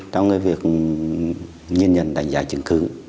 trong cái việc nhìn nhận đánh giá chứng cứ